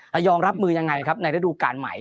เรายอมรับมือยังไงครับในระดูการใหม่